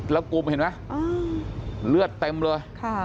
แล้วกลุ่มเห็นไหมเลือดเต็มเลย